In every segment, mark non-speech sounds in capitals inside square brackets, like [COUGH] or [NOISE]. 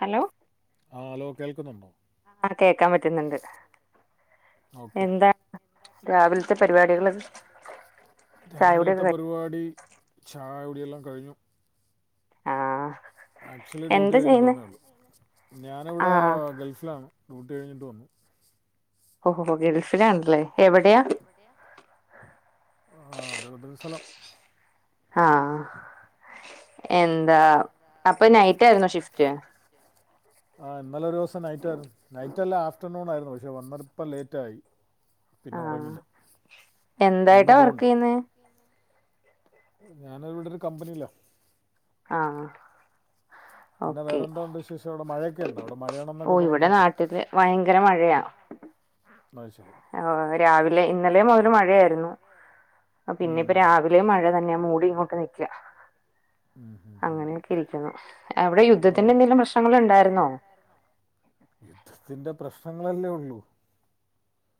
Hello ആഹ് കേക്കാൻ പറ്റുന്നുണ്ട് എന്താ രാവിൽത്തെ പരിപാടികൾ രാവിലത്തെ പരിപാടി ചായ കുടിയെല്ലാം കഴിഞ്ഞു ആഹ് ആക്ച്വലി ഡ്യൂട്ടി കഴിഞ്ഞിട്ട് വന്നേള്ളൂ ഞാനിവിടെ ഗൾഫിലാണ് ഡ്യൂട്ടി കഴിഞ്ഞിട്ട് വന്നു ഓഹോ ഗൾഫിലാണല്ലേ എവിടെയാ എവിടെയാ ആഹ് അത് ഇവിടെ ഒരു സ്ഥലം ആഹ് ആഹ് എന്താ അപ്പൊ നൈറ്റ് ആയിരുന്നോ ഷിഫ്റ്റ് ആഹ് ഇന്നലെ ഒരു ദിവസം നൈറ്റ് ആയിരുന്നു നൈറ്റ് അല്ല ആഫ്റ്റർനൂൺ ആയിരുന്നു പക്ഷെ വന്നപ്പോൾ ലേറ്റ് ആയി പിന്നെ ഉറങ്ങില്ല ഇന്ന് പോണ്ട ഞാന് ഇവിടെ ഒരു കമ്പനിയിലാ പിന്നെ വേറെന്താ ഉണ്ട്ഷ് ശേഷടെ മഴ ഓഹ് ഇവിടെ നാട്ടില് ഭയങ്കര മഴയാ അഹ് ശരി എഹ് ഓഹ് രാവിലെ ഇന്നലെ മുതൽ മഴയായിരുന്നു പിന്നെ ഇപ്പൊ രാവി ലെ മഴ തന്നെയാ മൂടി ഇങ്ങോക്കെ നിക്കുവാ ഉം ഉം ഉം രിക്കുന്നു നിങ്ങള അവിടെ യുദ്ധത്തിൻ്റെ എന്തേലും പ്രശ്നങ്ങൾ വല്ലതും ഉണ്ടാരുന്നോ യുദ്ധത്തിന്റെ പ്രശ്നങ്ങള് അല്ലെ ഉള്ളൂ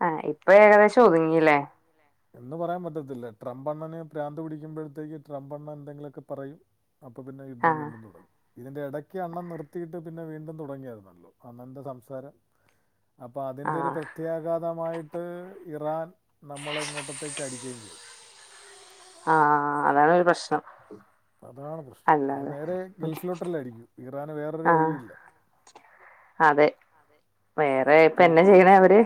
ആഹ് ഇപ്പോ ഏകദേഷ് ഇപ്പ ഏകദേശം ഒതുങ്ങില്ലേ എന്ന് പറയാൻ പറ്റത്തില്ല ട്രംപ്ണ്ണന് പ്രാന്ത് പിടിക്കുമ്പോഴത്തേക്ക് ട്രംപ് അണ്ണൻ എന്തെങ്കിലൊക്കെ പറയും അപ്പ പിന്നെ യുദ്ധം വീണ്ടും തൊട ഇതിന്റെ ഇടെക്ക് അണ്ണൻ നിർത്തിയിട്ട് പിന്നെ വീണ്ടും തുടങ്ങിയാര്ന്നല്ലോ അണ്ണന്റെ സംസാരം. അപ്പോ അതിൻ്റെ ഒര് പ്രത്യാഘാതമായിട്ട് ഇറാൻ നമ്മളെ ഇങ്ങോട്ടത്തേക്ക് അടിക്കയും ചെയ്തു ആഹ് ആഹ് ആഹ് അതാണ് ഒര് പ്രശ്നം അതാണ് പ്രശ്നം അത് നേരെ ഗൾഫി ലോട്ടല്ലെ അടിക്കു ഇറാന് വേറൊരു വഴിയില്ല. അതെ വേറെപ്പ എന്നാചെയ്യണേ അവര്?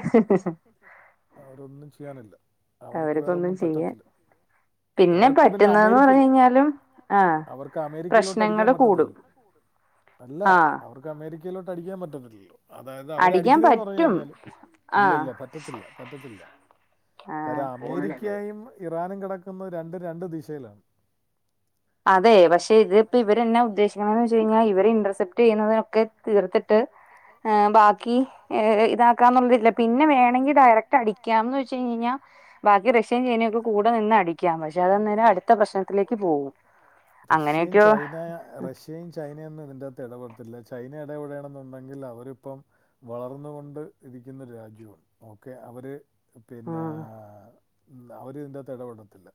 അവരൊന്നും ചെയ്യാനില്ല അവർക്ക് വേറൊന്നും പറ്റത്തില്ല. അവർക്ക് പിന്നെ അമേരിക്കൽ അവർക്ക് അമേരിക്കയിലോട്ട് അടിക്കാൻ പറ്റത്തില്ലല്ലോ? അല്ല അവർക്ക് അമേരിക്കലോട്ട് അടിക്കാൻ പറ്റത്തില്ലല്ലോ അതായത് അവരടി ജ്ജ്ന് ന്ന് പർഞ് കഴിഞ്ഞാല് ഇല്ല ഇല്ല പറ്റ് റ്റത്തില്ല പറ്റത്തില്ല കാരം അമേരിക്കയും ഇറാനും കെടക്കന്ന രണ്ടും രണ്ട് ദിശേലാണ്. അദെ പഷേ ഇദ്പ്പോ ഇവര്ന്നാ ഉദ്ദേശിക്ക്ണെന്ന് വെച്ച് കഴിഞ്ഞാ ഇവര് ഇന്റർസെപ്റ്റ് ചെയ്യുന്നത് നൊക്കെ തീർത്തിട്ട് എഹ് ബാക്കി എഹ് ഇദാക്കാന്ന്ള്ളതില്ല പിന്നെ വേണങ്കി ഡയറക്ട് അടിക്കാംന്ന് വെച്ച് കയ്ഞ്ഴിഞ്ഞാ ബാക്കി റഷ്യൻ ചൈനേം ഒക്കെ കൂടെ നിന്ന് അടിക്കാം പഷേ അദ് അന്നേരം അടുത്ത പ്രശ്നത്തിലേക്ക് പോവും. റഷ്യയും ചൈന റഷ്യയും ചൈനയൊന്നും ഇതിൻ്റെകത്ത് ഇടപെടത്തില്ല ചൈന ഇടപെടെയാണന്നൊ ന്നെങ്കിൽ അവരിപ്പം വളർന്ന കൊണ്ട് ഇരിക്കുന്ന രാജ്യവാണ് ഓക്കെ അവര് പിന്നെ അവരിതിന്റെത്ത് എടപെടത്തില്ല.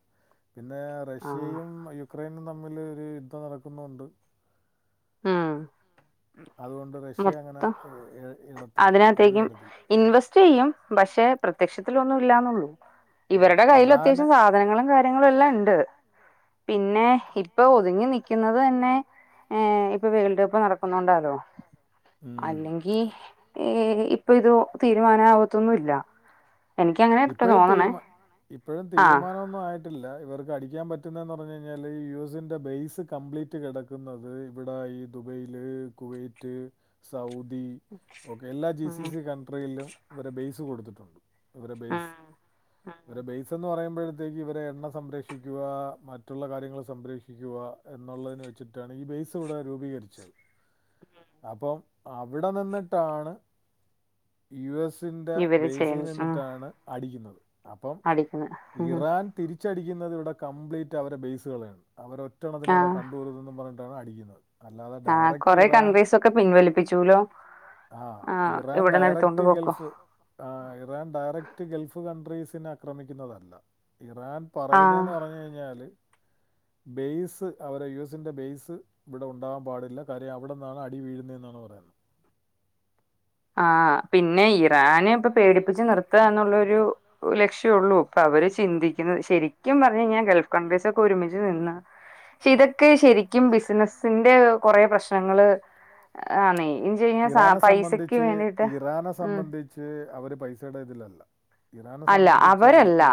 പിന്നെ റഷ്യയും യുക്രൈനും തമ്മില് ഒര് യുദ്ധം നടക്ക്ന്നൊണ്ട്. അദ്കൊണ്ട് റഷ്യ അങ്ങനെ എ അതിനകത്തേക്കും ഇൻവെസ്റ്റ്യ്യും പഷേ പ്രത്യക്ഷത്തിലൊന്നും ഇല്ലാന്നൊള്ളൂ. ഇവര്ടെ കയ്യില് അത്യാവ്ശം സാ ധനങ്ങളും കാര്യങ്ങളും എല്ലാം ണ്ട് പിന്നെ ഇപ്പൊ ഒതുങ്ങി നിക്ക്ന്നതന്നെ ഏഹ് ഇപ്പൊ വേൾഡ് കപ്പ് നടക്ക്ന്നോണ്ടാലോ അല്ലെങ്കി ഇപ്പൊ ഇതോ തീരുമാനാകത്തൊന്നുംല്ല എനിക്കങ്ങനാട്ടോ തോന്നണേ ഇപ്പഴും തീരുമാനം ഒന്നും ആയി ട്ടില്ല ഇവർക്ക് അടിക്കാൻ പറ്റുന്നതെന്ന് പറഞ്കഴിഞാല് യുഎസിന്റെ ബേസ് കംപ്ലീറ്റ് കെട ക്ക്ന്നത് ഇബടെ ഈ ദുബൈല് കുവൈറ്റ് സൗദി ഒക്കെ എല്ലാ ജി സി സി കൺട്രിലും ഇവരെ ബേസ് കൊടുത്തിട്ട്ണ്ട്. ഇവരെ ബേയ്സ് ഇവരെ ബേയ്സ് എന്ന് പറയ്മ്പഴ് ത്തെക്ക് ഇവരെ എണ്ണ സംരക്ഷിക്കുക മറ്റുള്ള കാര്യങ്ങൾ സംരക്ഷിക്കുക എന്നുള്ളതിന് വെ വച്ചിട്ടാണ് ഈ ബേസ് ഇവ്ടെ രൂപീകരിച്ചത് അപ്പം അവ്ടെ നിന്നിട്ടാണ് യുഎസിന്റെ ബേസിൽ നിന്നിട്ടാണ് അടിക്കുന്നത് അപ്പം ഇറാൻ തിരിച്ചടിക്കുന്നത് ഇവ്ടെ കംപ്ലീറ്റ് അവരെ ബേസുകളാണ് അവരെ ഒറ്റണ്ണത്തിന് ഇവ്ടെ കണ്ടുപൊകരുതെന്ന് പറ ട്ടാണ് അടിക്ക്ന്നത്. അല്ലാതെ ഡയറക്റ്റ് ഇറാൻ ആഹ് ഇറാൻ ഡയറ റ്റ് ഗൾഫ് ആ ഇറാൻ ഡയറക്റ്റ് ഗൾഫ് കൺട്രീസിനെ ആക്രമിക്കുന്നതല്ല ഇറാൻ പറയുന്നന്നെന്ന് പറഞ് കഴിഞ്ഞാല് ബേസ് അവരെ യു എസിൻ്റെ ബേയ്സ് ഇബടെ ഉണ്ടാവാൻ പാടില്ല കാര്യം അവിടെന്നാണ് അടി വീഴുന്നെന്നാണ് പറയ് ന്നെ. ആ പിന്നെ ഇറാനെ ഇപ്പൊ പേടിപ്പിച്ച് നിർത്ത എന്നുള്ളൊരു ലക്ഷ്യം ഒള്ളൂ ഇപ്പ അവര് ചിന്തിക്കുന്നത് ശെരിക്കും പറഞ്കഴിഞ്ഞാ ഗൾഫ് കൺട്രീസൊക്കെ ഒരുമിച്ച് നിന്നാ ഷേ ഇദെ ക്കെ ശെരിക്കും ബിസിനസിന്റെ കൊറേ പ്രശ്നങ്ങള് ആന്നെ എന്ത്‌ച്ച്ഴിഞ്ഞാൽ പൈസ ക്ക് വേണ്ടിട്ട് ഉം ച്ച് അവര് പൈസെടെ ഇതിലല്ല. ഇറാനെ സംബന്ധിച്ച് അവർക്ക്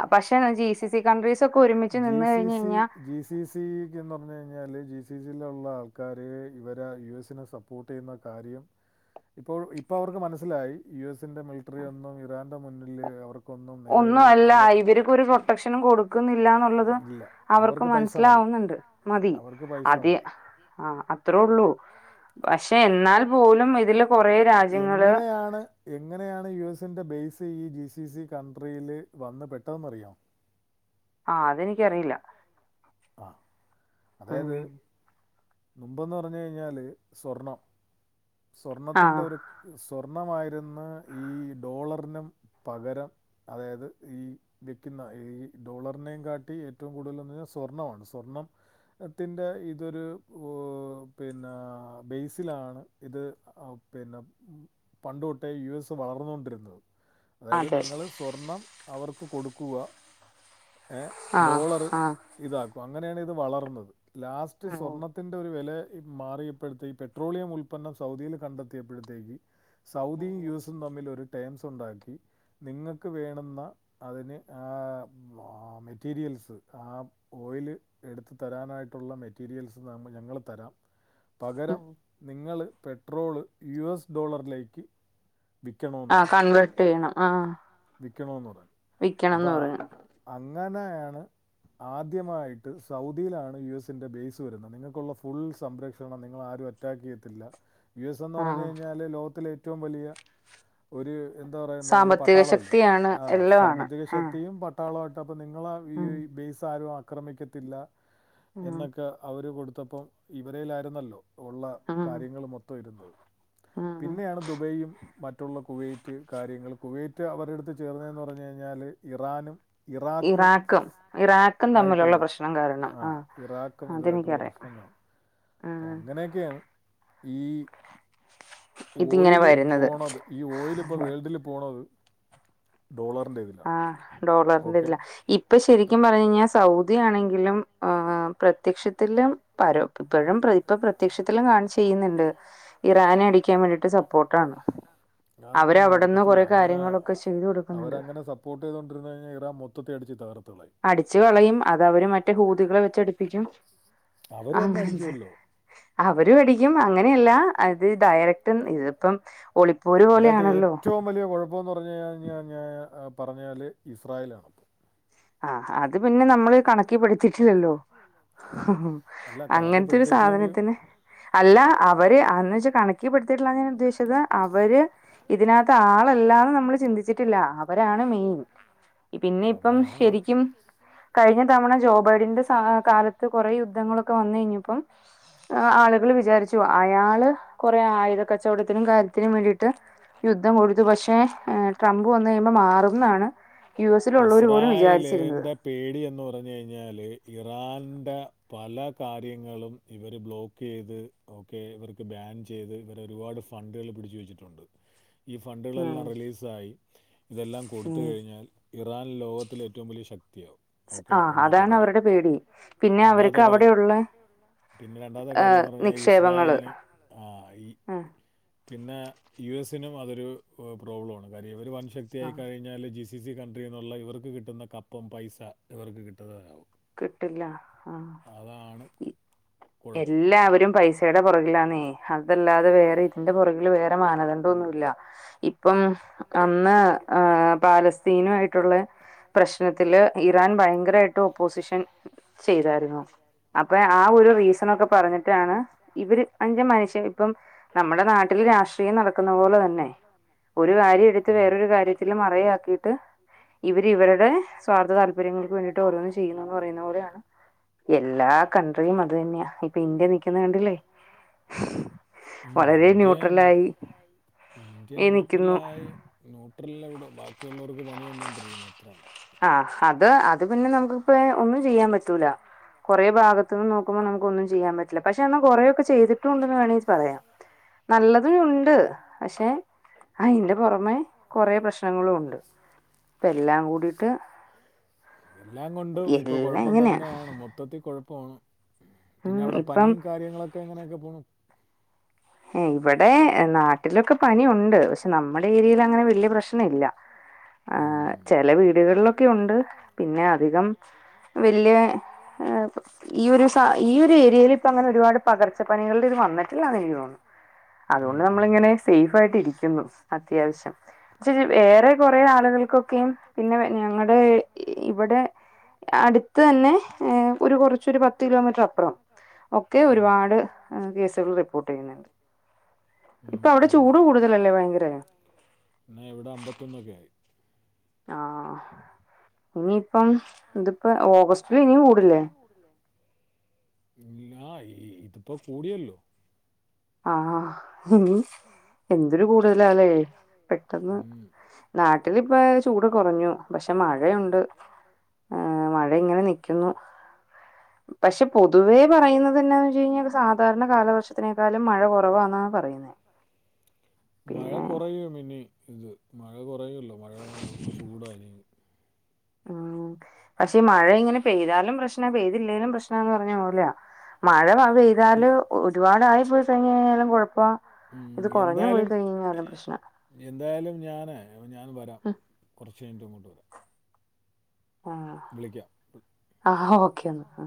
G C C G C സിക്ക് എന്ന് പറഞ്കഴിഞ്ഞാ പറഞ്ഞാല് ജി സി സിലൊള്ള ആൾക്കാര് ഇവരെ യു എസിനെ സപ്പോർട്ട് ചെയ്യ്ന്ന കാര്യം ഇപ്പോൾ ഇപ്പ അവർക്ക് മനസ്സിലായി യുഎസിന്റെ മിലിട്ടറി ഒന്നും ഇറാന്റെ മുന്നില് അവർ ഒന്നും അല്ല ഇവർക്ക് ഒരു പ്രൊട്ടക്ഷനും കൊടുക്കുന്നില്ലന്നുള്ളത് അവർക്ക് മനസ്സിലാവുന്നുണ്ട് മതി അതെ ആഹ് അത്രേ ഉള്ളൂ [UNINTELLIGIBLE] പക്ഷെ ഏ അല്ലേ ന്നാൽപോലും എങ്ങനെയാണ് എങ്ങനെയാണ് യു എസിൻ്റെ ബേസ് ഈ ജി സി സി കൺട്രിയിൽ വന്ന് പെട്ടതെന്നറിയോ ആഹ് അതെനിക്കറിയില്ല ആഹ് അതായത് മുമ്പെന്ന്റഞ്ഞു കഴിഞ്ഞാല് സ്വർണം സ്വർണത്തിന്റെ ഒരു ആഹ് സ്വർണമായിരുന്നു ഈ ഡോളറിനും പകരം അതായത് ഈ വിക്കുന്ന ഈ ഡോളറിനേം കാട്ടി ഏറ്റവും കൂടുതൽന്ന് സ്വർണ്ണമാണ് സ്വർണം ത്തിൻ്റെ ഇതൊരു ഏഹ് പിന്നെ ബേസിലാണ് ഇത് ആഹ് പിന്നെ പണ്ട് തൊട്ടേ യു എസ് വളർന്നൊണ്ടിരുന്നത് അതായത് നിങ്ങൾ സ്വർണം അവർക്ക് കൊടുക്കുക എഹ് ഡോളറ് ഇതാക്കുക അങ്ങനെയാണ് ഇത് വളർന്നത് ലാസ്റ്റ് സ്വർണത്തിന്റെ ഒരു വിലേ മാറിയപ്പോഴത്തേ ഈ പെട്രോളിയം ഉൽപ്പന്നം സൗദിയിൽ കണ്ടെത്തിയപ്പഴത്തേക്ക് സൗദിയും യു എസും തമ്മിൽ ഒരു ടെമ്സ് ഉണ്ടാക്കി നിങ്ങൾക്ക് വേണുന്ന അതിന് ആഹ് മെറ്റീരിയൽസ് ആഹ് ഓയില് എടുത്ത തരാനായിട്ടുള്ള മെറ്റീരിയൽസ് നമ്മ ഞങ്ങൾ തരാം പകരം നിങ്ങൾ പെട്രോള് യു എസ് ഡോളറിലേക്ക് വിക്കണോന്ന് പറഞ്ഞു വിക്കണോന്ന് പറഞ്ഞു അപ്പൊ അങ്ങനെയാണ് ആദ്യമായിട്ട് സൗദിയിലാണ് യു എസ്സിൻ്റെ ബേയ്സ് വരുന്നത് നിങ്ങൾക്കുള്ള ഫുൾ സംരക്ഷണം നിങ്ങള് ആരും റ്റാകിട്ടില്ല യു എസ് എന്ന് പറഞ്ഞ് കഴിഞ്ഞാല് ലോകത്തിലെ ഏറ്റവും വലിയ- ഒരു എന്താ പറയുന്നത് ഒരു പട്ടാളമല്ലേ ആ സാമ്പത്തിക ശക്തിയും പട്ടാളമായിട്ട് അപ്പൊ നിങ്ങളാണ്- യു ഐ ബേസ് ആരും ആക്രമിക്കത്തില്ല എന്നൊക്കെ- അവര് കൊടുത്തപ്പം ഇവരേയിലായിരുന്നല്ലോയുള്ള കാര്യങ്ങളൾ മൊത്തം ഇരുന്നത് പിന്നെയാണ് ദുബൈയും- മറ്റുള്ള കുവൈറ്റ് കാര്യങ്ങള് കുവൈറ്റ് അവരെടുത്ത് ചേർന്നത് പറഞ്ഞു കഴിഞ്ഞാല് ഇറാനും- ഇറാഖും ഇറാഖ- ആയിട്ടുള്ള ഇറാഖ് ആയിട്ടുള്ള പ്രശ്നം ആഹ് ഇറാക്കും ഇതുയിട്ടുള്ള പ്രശ്ണം കാണും അപ്പൊ അങ്ങനെ അവർ ഈ [UNINTELLIGIBLE] ഓയില് പോണത് ഈ ഓയില് ഇപ്പോ വേൾഡില് പോണത് ഡോളറിന്റെ ഇതിലാ ആഹ് ഡോളറിന്റെ ഇതിലാ ഇപ്പൊ ശരിക്കും പറഞ്ഞുകഴിഞ്ഞാൽ സൗദിയാണെങ്കിലും- ആഹ് പ്രത്യക്ഷത്തിലും പരെ ഇപ്പോഴും ഇപ്പൊ പ്രത്യക്ഷത്തിലും കാണ് ചെയ്യുന്നുണ്ട് ഇറാനെ അടിക്കാൻ വേണ്ടിയിട്ട് സപ്പോർട്ടാണ് അവര് അവിടെന്ന് കുറേ കാര്യങ്ങളൊക്കെ ചെയ്തു കൊടുക്കും അവര് അങ്ങനെ സപ്പോർട്ട് ചെയ്തൊണ്ടിരിന്നു കഴിഞ്ഞാൽ ഇറാൻ മൊത്തത്തി അടിച്ച് തകർത്തുകളയും അടിചു കളയും അത് അവര് മറ്റേ ഹൂതികളെ വെച്ച്ടുപ്പിക്കും [UNINTELLIGIBLE] അവര് തന്നെ അടിക്കുവല്ലോ അവരും അടിക്കും അങ്ങനെയല്ല ഇത് ഡയറക്ട് ഇതിപ്പം ഒളി- ഇതിനകത്തെ ഏറ്റവും വലിയ കൊഴപ്പം എന്ന് പറഞ്ഞ കഴിഞ്ഞാൽ ഞ പറഞ്ഞാല് ഇസ്രായേലാണ് ആഹ് അത് പിന്നെ നമ്മള്, - കണക്കിപ്പെടുത്തിട്ടില്ലല്ലോ ഹ് ഹ് അങ്ങനത്തെ ഒരു സാധനത്തിന് അല്ല അവര് അന്ന് വെച്ചാ കണക്കിപ്പെടുത്തിട്ടുള്ളാണ് ഞാൻ ഉദ്ദേശിച്ചത് അവര് ഇതിനകത്ത് ആ- ആളല്ല നമ്മള് ചിന്തിച്ചിട്ടില്ല അവരാണ് മെയിൻ പിന്നെ ഇപ്പം- ആള് കഴിഞ്ഞ തവണ ജോബൈഡിന്റെ കാലത്ത് കുറേ യുദ്ധങ്ങളൊക്കെ വന്നു കഴിഞ്ഞപ്പം- ആ ആളുകൾ വിചാരിച്ചു അയാള് കൊറേ ആയുധ കച്ചവടത്തിനും കാര്യത്തിനും വേണ്ടിട്ട്- യുദ്ധം കൊടുത്തു പക്ഷേ ട്രംപ് വന്ന് കഴിയുമ്പോ മാറുന്നതാണ് യു എസ്- ഇസ്രായലേന്റെ- പേടി എന്ന് പറഞ്ഞു കഴിഞ്ഞാല് ഇറാന്റെ പല കാര്യങ്ങളും ഇവര് ബ്ലോക്ക്- ക്ക് ചെയ്ത് ഓക്കെ ഇവർക്ക് ബാൻ ചെയ്ത് ഇവർ ഒരുപാട് ഫണ്ടുകൾ പിടിച്ചു വെച്ചിട്ടുണ്ട് ഈ ഫണ്ടുകളെല്ലാം റിലീസായി ഇതെല്ലാം കൊടുത്ത് കഴിഞ്ഞാല് - ഇറാൻ ലോകത്തിലെ ഏറ്റവും വലിയ ശക്തിയാകും ഓക്കെ ഒന്നാമത്തെ കാര്യം പിന്നെ അവർക്ക് അവിടെ ഉള്ളെ - പിന്നെ രണ്ടാമത്തെ കാര്യം എന്ന് പറഞ്ഞാൽ ഇസ്രായേലിന് ആ ഈ- പിന്നെ യു എസിനും അതൊരു പ്രോബ്ലമാണ് കാര്യം ഇവര് വൻ ശക്തിയായി കഴിഞ്ഞാൽ ജി സി സി കൺ- എന്നുള്ള ഇവർക്ക് കിട്ടുന്ന കപ്പം പൈസ ഇവർക്ക് കിട്ടുന്നയാവും കിട്ടില്ല ആഹ് അതാണ് എല്ലാവരും പൈസയുടെ പൊറകിലാന്നേ അതല്ലാതെ വേറെ ഇതിന്റെ പൊറകിൽ- ഇതില് വേറെ മാനദണ്ഡം ഒന്നുമില്ല ഇപ്പം- അന്ന് ആ പാലസ്തീനു ആയിട്ടുള്ള പ്രശ്നത്തില് ഇറാൻ ഭയങ്കരമായിട്ട് - പോസിഷൻ ചെയ്തായിരുന്നു അപ്പൊ ആ ഒരു റീസൺ ഒക്കെ പറഞ്ഞിട്ടാണ് ഇവര് അഞ്ച് മനുഷ്യൻ ഇപ്പം- നമ്മുടെ നാട്ടില് രാഷ്ട്രീയം നടക്കുന്ന പോലെ തന്നെ ഒരു കാര്യം എടുത്ത് വേറൊരു കാര്യത്തില് മറയാക്കിയിട്ട്- ഇവര് ഇവരുടെ സ്വാർത്ഥ താല്പര്യങ്ങൾക്ക് വേണ്ടിയിട്ട് ഓരോന്നും ചെയ്യുന്നു എന്ന് പറയുന്ന പോലെയാണ്- എല്ലാ കൺട്രിയും അത് തന്നെയാ ഇപ്പൊ ഇന്ത്യ നിൽക്കുന്നത് കണ്ടില്ലേ വളരെ ന്യൂട്രൽ ആയി ഏ നിക്കുന്നു ന്യൂട്രലെയിവിടെ ബാക്കിയുള്ളവർക്ക് പണി തന്നുകൊണ്ടിരിക്കുന്നു അത്ര- ആഹ് അത് അത് പിന്നെ നമുക്ക് ഒന്നും ചെയ്യാൻ പറ്റൂല കൊറെ ഭാഗത്ത് നിന്ന് നോക്കുമ്പോ നമുക്കൊന്നും ചെയ്യാൻ പറ്റില്ല പക്ഷെ അന്ന് കൊറെയൊക്ക ചെയ്തിട്ടുണ്ടന്ന് വേണങ്കിൽ പറയാം നല്ലതും ഉണ്ട് പക്ഷെ അയ്ന്റെ പൊറമെ കൊറെ പ്രശ്നങ്ങളും ഉണ്ട് ഇപ്പം എല്ലാം കൂടിട്ട് എല്ലാം കൊണ്ടും ഇപ്പൊ കൊഴപ്പം തന്നെയാണ് മൊ മൊത്തത്തിൽ കുഴപ്പമാണ് പിന്നെ അവിടെ പനിയും കാര്യങ്ങളൊക്കെ എങ്ങനെയൊക്കെ പോണു ഏഹ് ഇവിടെ നാട്ടിലൊക്കെ പനിയുണ്ട് പക്ഷെ നമ്മുടെ ഏരിയയിൽ അങ്ങനെ വല്ല്യ പ്രശ്ന ഇല്ല [INAUDIBLE] ഉം ഛെല വീടുകളിലൊക്കെ ഉണ്ട് പിന്നെ അധികം വല്ല്യ ഈയൊരു ഏരിയയിൽ ഇപ്പം അങ്ങനെ ഒരുപാട് പകർച്ചപ്പനികളുടെ ഇത് വന്നിട്ടില്ലാന്ന് എനിക്ക് തോന്നുന്നു അതുകൊണ്ട് നമ്മളിങ്ങനെ സേഫ് ആയിട്ട് ഇരിക്കുന്നു അത്യാവശ്യം ഇച്ചിരി വേറെ കുറേ ആളുകൾക്കൊക്കെയും പിന്നെ ഞങ്ങടെ ഇവിടെ അടുത്ത് തന്നെ ഒരു കുറച്ച് ഒരു പത്ത് കിലോമീറ്റർ അപ്പുറം ഒക്കെ ഒരുപാട് കേസുകൾ റിപ്പോർട്ട് ചെയ്യുന്നുണ്ട് ഇപ്പൊ അവിടെ ചൂട് കൂടുതലല്ലേ ഭയങ്കര പിന്നെ ഇവിടെ അമ്പത്തൊന്നൊക്കെ ആയി ആഹ് ഇനിയിപ്പം ഇതിപ്പോ ഓഗസ്റ്റില് ഇനിയും കൂടില്ലേ ആഹ് ഇതിപ്പോ കൂടിയല്ലോ ആഹ് എന്തൊരു കൂടുതലല്ലേ പെട്ടെന്ന് നാട്ടിലിപ്പ ചൂട് കുറഞ്ഞു പക്ഷെ മഴയുണ്ട് ഏഹ് മഴ ഇങ്ങനെ നിക്കുന്നു പക്ഷെ പൊതുവേ പറയുന്നത് എന്ന വെച്ച് കഴിഞ്ഞാൽ സാധാരണ കാലവർഷത്തിനേക്കാലും മഴ കുറവാന്നാ പറയുന്നേ മഴ കുറയുകയുള്ളു ഇനി പിന്നെ ഇത് മഴ കുറയല്ലോ മഴ ചൂടായിരിക്കും ഉം പക്ഷെ മഴ ഇങ്ങനെ പെയ്താലും പ്രശ്ന പെയ്തില്ലേലും പ്രശ്ന ന്ന് പറഞ്ഞ പോല മഴ പെയ്താല് ഒരുപാട് ആയി പോയി കഴിഞ്ഞാലും കുഴപ്പാ ഇത് കുറഞ്ഞു പോയി കഴിഞ്ഞാലും പ്രശ്ന എന്തായാലും ഞൻേ ഞാൻ വരാം കുറച്ച് കഴിഞ്ഞട്ട് ഇങ്ങോട്ട് വരാം ആഹ് വിളിക്കാം ആഹ് ഓക്കൊ ആഹ്